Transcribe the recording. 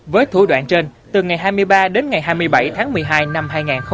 với thủ đoạn trên từ ngày hai mươi ba đến ngày hai mươi bảy tháng một mươi hai năm hai nghìn hai mươi ba